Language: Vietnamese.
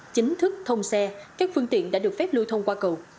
chính thức thông xe các phương tiện đã được phép lưu thông qua cầu